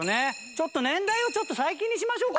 ちょっと年代をちょっと最近にしましょうか。